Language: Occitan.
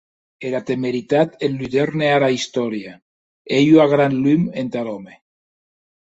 Era temeritat enludèrne ara istòria, e ei ua gran lum entar òme.